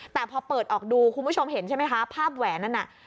แต่พอเปิดออกดูคุณผู้ชมเห็นใช่ไหมคะภาพแหวนนั้นน่ะ